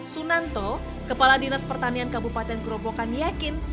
sunanto kepala dinas pertanian kabupaten gerobokan yakin